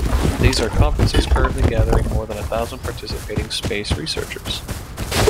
These are conferences currently gathering more than a thousand participating space researchers.